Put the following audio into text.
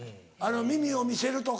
耳を見せるとか。